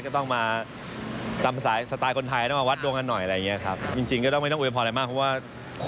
ก็ต้องมาตามสตายคนไทยโวดดวงกันหน่อยอะไรอย่างนี้ครับ